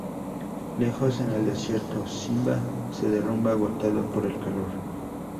Lejos, en el desierto, Simba se derrumba agotado por el calor.